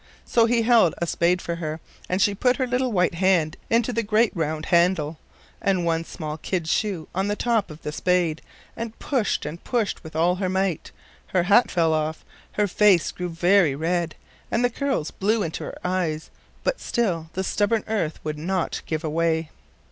So he held a spade for her, and she put her little white hand into the great round handle, and one small kid shoe on the top of the spade, and pushed and pushed with all her might. Her hat fell off, her face grew very red, and the curls blew into her eyes, but still the stubborn earth would not give way.